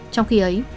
trong khi ấy